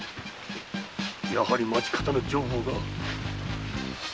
やはり町方の情報が。